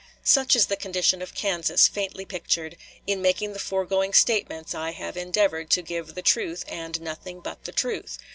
Such is the condition of Kansas faintly pictured.... In making the foregoing statements I have endeavored to give the truth and nothing but the truth.